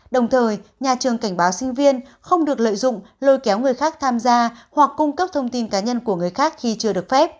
đồng thời nhà trường cảnh báo sinh viên không được lợi dụng lôi kéo người khác tham gia hoặc cung cấp thông tin cá nhân của người khác khi chưa được phép